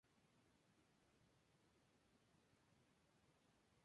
Antón terminó tercero en la clasificación general, subiendo al podio final de Berna.